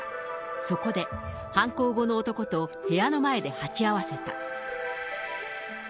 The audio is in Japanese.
そこで、犯行後の男と部屋の前で鉢合わせた。